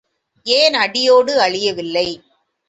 ஏன் அடியோடு அழியவில்லை?